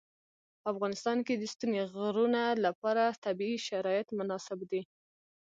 په افغانستان کې د ستوني غرونه لپاره طبیعي شرایط مناسب دي.